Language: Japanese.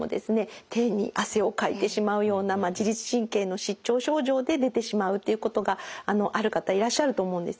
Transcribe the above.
手に汗をかいてしまうような自律神経の失調症状で出てしまうっていうことがある方いらっしゃると思うんですね。